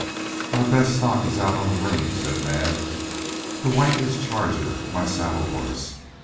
"Our best stock is out on the range," said Naab. "The white is Charger, my saddle horse.